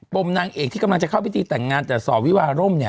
มนางเอกที่กำลังจะเข้าพิธีแต่งงานแต่สอบวิวาร่มเนี่ย